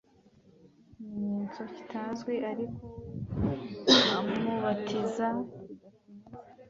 Ikimenyeto, kitazwi ariko we Umubatiza bidatinze